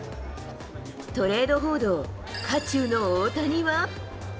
トレード報道、渦中の大谷は。